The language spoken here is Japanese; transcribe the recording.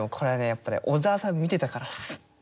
やっぱり小沢さん見てたからっす。